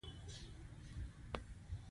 هلته لومړنۍ سمندري ټولنې او ماڼۍ جوړې شوې.